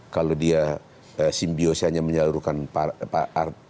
kalau dia simbiosi hanya menyalurkan aspirasi